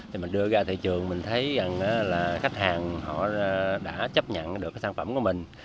thì mình đưa ra thị trường mình thấy rằng là khách hàng họ đã chấp nhận được cái sản phẩm của mình